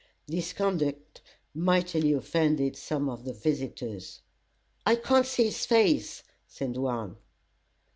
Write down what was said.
This conduct mightily offended some of the visitors. "I can't see his face," said one.